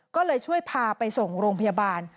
ก็เลยช่วยพาไปส่งโรงพยาบาล